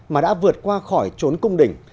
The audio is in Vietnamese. mà đã vượt qua khỏi trốn cung đỉnh